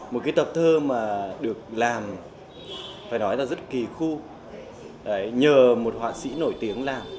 một cái tập thơ mà được làm phải nói là rất kỳ khu nhờ một họa sĩ nổi tiếng làm